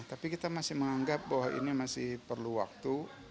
tapi kita masih menganggap bahwa ini masih perlu waktu